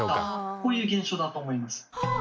こういう現象だと思います。